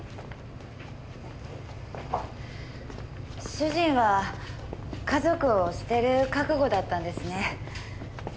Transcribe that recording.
主人は家族を捨てる覚悟だったんですね。